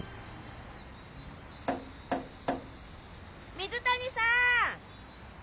水谷さん！